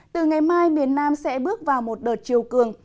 từ ngày mai miền nam sẽ bước vào một đợt chiều cường